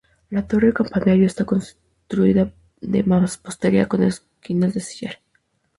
La torre campanario está construida de mampostería con esquinas de sillar.